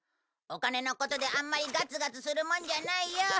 お金のことであんまりガツガツするもんじゃないよ。